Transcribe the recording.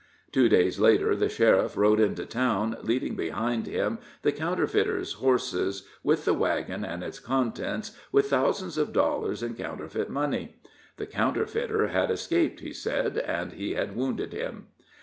Two days later the sheriff rode into town, leading behind him the counterfeiter's horses, with the wagon and its contents, with thousands of dollars in counterfeit money. The counterfeiter had escaped, he said, and he had wounded him.